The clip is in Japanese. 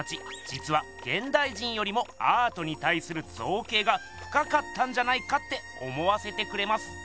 じつはげんだい人よりもアートにたいするぞうけいがふかかったんじゃないかって思わせてくれます。